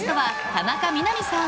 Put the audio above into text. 田中みな実さん